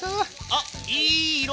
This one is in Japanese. あっいい色！